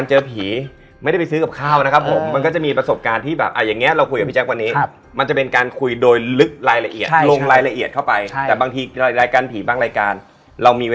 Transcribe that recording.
ก็ยืบไปแปบนึงสักพักคุยกันใหม่อีกแล้ว